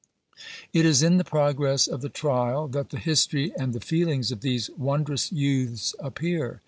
It is in the progress of the trial that the history and the feelings of these wondrous youths appear.